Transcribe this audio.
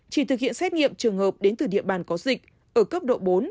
chỉ thực hiện xét nghiệm trường hợp đến từ địa bàn có dịch ở cấp độ bốn